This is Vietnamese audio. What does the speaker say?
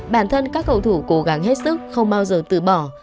bản thân các cầu thủ cố gắng hết sức không bao giờ từ bỏ